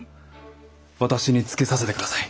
私につけさせて下さい。